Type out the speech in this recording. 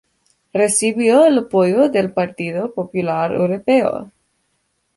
Recibió el apoyo del Partido Popular Europeo.